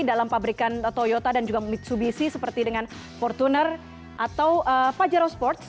dalam pabrikan toyota dan juga mitsubishi seperti dengan fortuner atau pajero sports